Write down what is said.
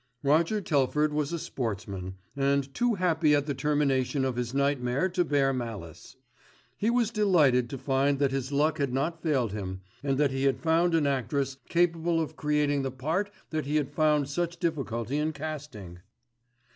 Roger Telford was a sportsman, and too happy at the termination of his nightmare to bear malice. He was delighted to find that his luck had not failed him, and that he had found an actress capable of creating the part that he had found such difficulty in casting.